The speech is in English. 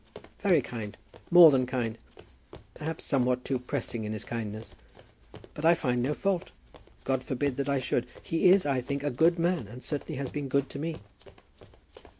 "Very kind, more than kind, perhaps somewhat too pressing in his kindness. But I find no fault. God forbid that I should. He is, I think, a good man, and certainly has been good to me."